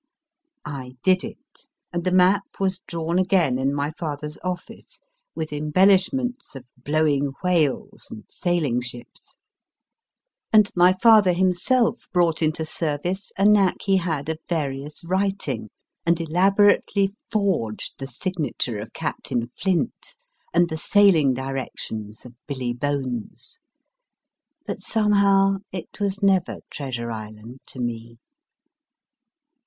I did it ; and the map was drawn again in my father s office, with embellishments of blowing whales and sailing ships, and my 3o8 MY FIRST BOOK father himself brought into service a knack he had of various writing, and elaborately forged the signature of Captain Flint, and the sailing directions of Billy Bones. But somehow it was never ( Treasure Island to me.